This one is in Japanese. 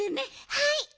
はい。